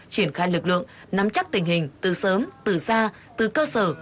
triển khai lực lượng nắm chắc tình hình từ sớm từ xa từ cơ sở